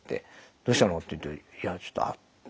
「どうしたの？」っていって「いやちょっと頭痛くて」って。